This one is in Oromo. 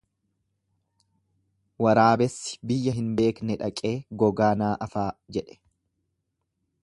Waraabessi biyya hin beekne dhaqee gogaa naa afaa jedhe.